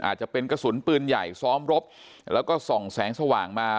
อาจจะเป็นกระสุนปืนใหญ่ซ้อมรบแล้วก็ส่องแสงสว่างมา